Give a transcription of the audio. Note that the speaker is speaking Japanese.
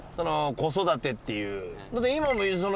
子育てっていう。